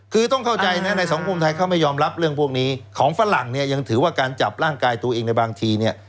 คือต้องเข้าใจนะในสังคมไทยเขาไม่ยอมรับเรื่องพวกนี้ของฝรั่งเนี่ยยังถือว่าการจับร่างกายตัวเองในบางทีเนี่ย